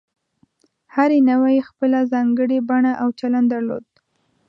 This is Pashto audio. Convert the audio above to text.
هرې نوعې خپله ځانګړې بڼه او چلند درلود.